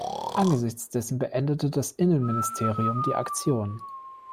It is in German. Angesichts dessen beendete das Innenministerium die Aktion.